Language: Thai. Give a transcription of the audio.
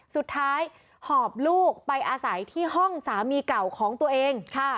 หอบลูกไปอาศัยที่ห้องสามีเก่าของตัวเอง